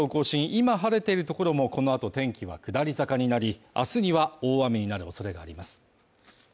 今晴れているところもありこのあと天気は下り坂になり、明日には大雨になる恐れがあります。